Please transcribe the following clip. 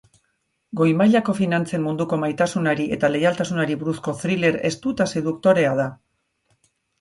Goi mailako finantzen munduko maitasunari eta leialtasunari buruzko thriller estu eta seduktorea da.